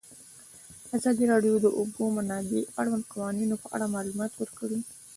ازادي راډیو د د اوبو منابع د اړونده قوانینو په اړه معلومات ورکړي.